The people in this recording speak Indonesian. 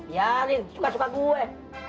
ya ini suka suka gue